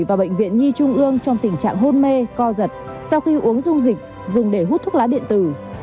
và bệnh viện nhi trung ương trong tình trạng hôn mê co giật sau khi uống dung dịch dùng để hút thuốc lá điện tử